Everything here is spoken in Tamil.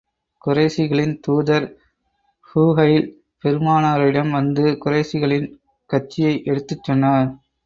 குறைஷிகளின் தூதர் ஸூஹைல் பெருமானாரிடம் வந்து, குறைஷிகளின் கட்சியை எடுத்துச் சொன்னார்.